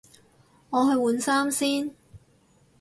我去換衫先